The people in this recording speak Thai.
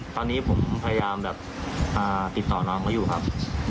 ตอนนี้ผมพยายามแบบติดต่อน้องเขาอยู่ครับ